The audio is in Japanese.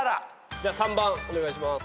じゃ３番お願いします。